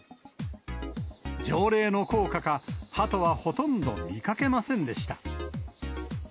条例の効果か、ハトはほとんど見かけませんでした。